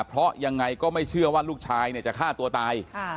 เพราะยังไงก็ไม่เชื่อว่าลูกชายจะฆ่าตัวตาย